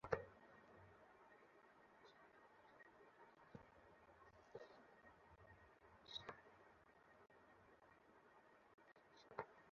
Vanathi, steering wheel ধরো!